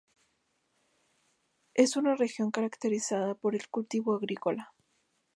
Es una región caracterizada por el cultivo agrícola.